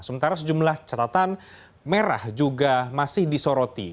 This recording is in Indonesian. sementara sejumlah catatan merah juga masih disoroti